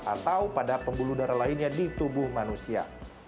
atau pada pembuluh darah lainnya di tubuh manusia